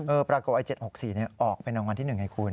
เออประโกย๗๖๔นี่ออกเป็นรางวัลที่๑ไงคุณ